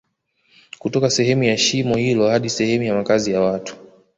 kutoka sehemu ya shimo hilo hadi sehemu ya makazi ya watu